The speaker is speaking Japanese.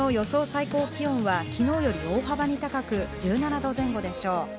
最高気温はきのうより大幅に高く、１７度前後でしょう。